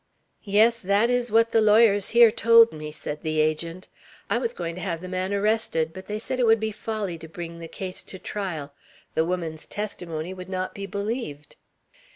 "Yes, that is what the lawyers here told me," said the Agent. "I was going to have the man arrested, but they said it would be folly to bring the case to trial. The woman's testimony would not be believed."